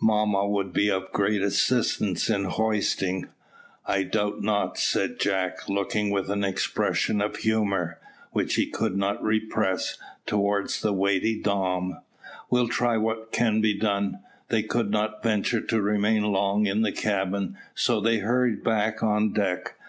"Mamma would be of great assistance in hoisting, I doubt not," said Jack, looking with an expression of humour, which he could not repress, towards the weighty dame. "We'll try what can be done." They could not venture to remain long in the cabin, so they hurried back on deck.